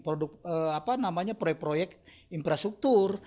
produk apa namanya proyek proyek infrastruktur